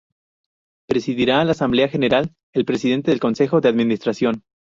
Presidirá la Asamblea General el presidente del Consejo de Administración.